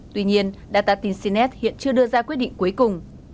tuy nhiên data tinsinet hiện chưa đưa ra quyết định cuối cùng